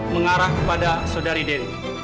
mengarah kepada saudari dewi